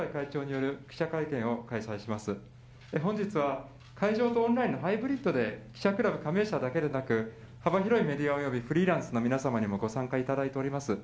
本日は会場とオンラインのハイブリッドで、記者クラブ加盟社だけでなく、幅広いメディアおよびフリーランスの方にお越しいただいております。